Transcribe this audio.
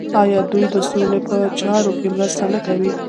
آیا دوی د سولې په چارو کې مرسته نه کوي؟